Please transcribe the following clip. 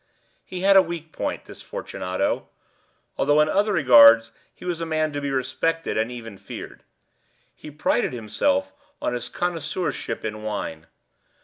He had a weak point—this Fortunato—although in other regards he was a man to be respected and even feared. He prided himself on his connoisseurship in wine.